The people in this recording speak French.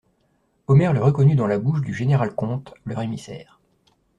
Omer le reconnut dans la bouche du général-comte, leur émissaire.